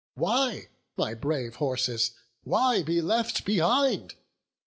Why, my brave horses, why be left behind?